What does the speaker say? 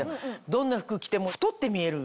どんな服着ても太って見える。